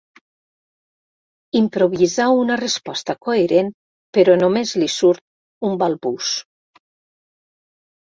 Improvisa una resposta coherent però només li surt un balbuç.